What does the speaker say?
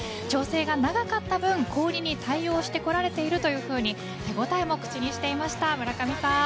調整が長かった分氷に対応してこられているというふうに手応えも口にしていました。